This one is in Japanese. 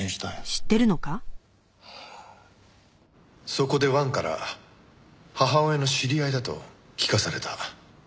そこで王から母親の知り合いだと聞かされた。